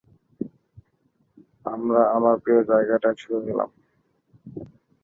আমরা আমার প্রিয় জায়গায় ছুটে গেলাম।